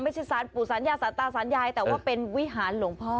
ไม่ใช่ศาสตร์ปู่ศาสตร์ยาศาสตร์ตาศาสตร์ยายแต่ว่าเป็นวิหารหลวงพ่อ